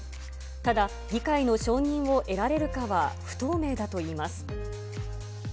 ただ、議会の承認を得られるかは不透明だといいます。